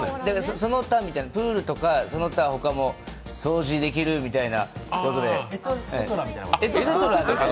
その他みたいな、プールとかその他も掃除できるみたいな。